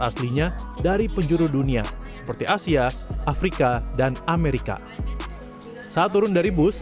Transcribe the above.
aslinya dari penjuru dunia seperti asia afrika dan amerika saat turun dari bus